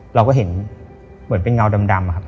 เราก็เห็นเหมือนเป็นเงาดำอะครับ